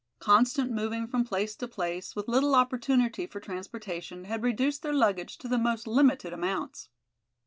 Constant moving from place to place, with little opportunity for transportation, had reduced their luggage to the most limited amounts.